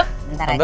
bentar lagi ya